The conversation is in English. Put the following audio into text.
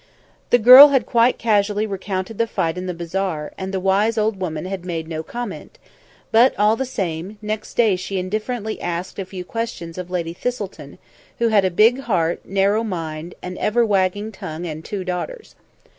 The girl had quite casually recounted the fight in the bazaar, and the wise old woman had made no comment; but, all the same, next day she indifferently asked a few questions of Lady Thistleton, who had a big heart, narrow mind, an ever wagging tongue and two daughters.